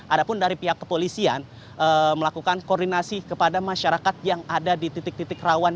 ada pun dari pihak kepolisian melakukan koordinasi kepada masyarakat yang ada di titik titik rawan